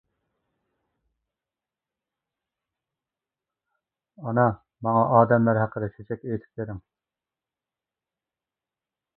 — ئانا، ماڭا ئادەملەر ھەققىدە چۆچەك ئېيتىپ بېرىڭ.